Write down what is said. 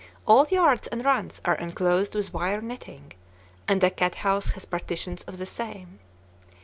All yards and runs are enclosed with wire netting, and the cat house has partitions of the same.